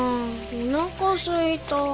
おなかすいた。